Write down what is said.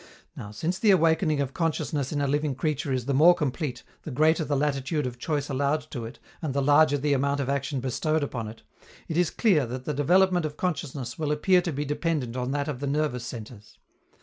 Now, since the awakening of consciousness in a living creature is the more complete, the greater the latitude of choice allowed to it and the larger the amount of action bestowed upon it, it is clear that the development of consciousness will appear to be dependent on that of the nervous centres.